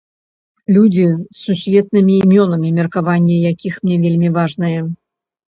Людзі з сусветнымі імёнамі меркаванне якіх мне вельмі важнае.